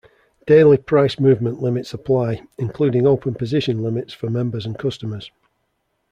Daily price movement limits apply, including open position limits for members and customers.